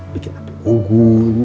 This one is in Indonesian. bikin api unggun